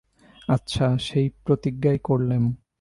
আচ্ছা, সেই প্রতিজ্ঞাই করলেম।